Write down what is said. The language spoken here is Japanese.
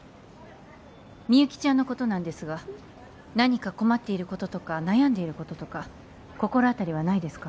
みゆきちゃんのことなんですが何か困っていることとか悩んでいることとか心当たりはないですか？